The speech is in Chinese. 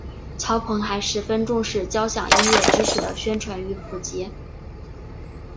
曹鹏还十分重视交响音乐知识的宣传与普及。